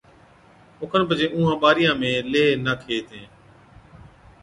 او کن پڇي اُونهان ٻارِيان ۾ ليه ناکي هِتين،